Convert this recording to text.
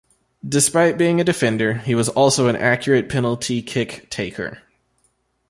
Despite being a defender, he was also an accurate penalty kick taker.